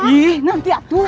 ih nanti aduh